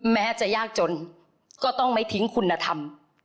แม้จะยากจนก็ต้องไม่ทิ้งคุณธรรม